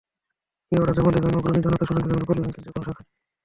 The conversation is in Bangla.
পে-অর্ডার জমা দেবেন অগ্রণী, জনতা, সোনালী অথবা রূপালী ব্যাংকের যেকোনো শাখায়।